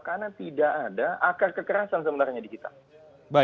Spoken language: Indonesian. karena tidak ada akar kekerasan sebenarnya di kita